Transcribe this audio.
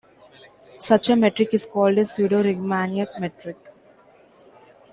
Such a metric is called a pseudo-Riemannian metric.